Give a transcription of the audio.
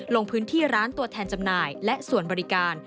ลงพื้นที่ร้านตัวแทนจำหน่ายและส่วนบริการ